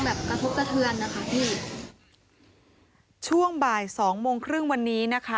กระทบกระเทือนนะคะพี่ช่วงบ่ายสองโมงครึ่งวันนี้นะคะ